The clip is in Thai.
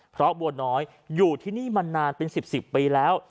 เพราะบัวน้อยอยู่ที่นี่มานานเป็น๑๐ปีแล้ว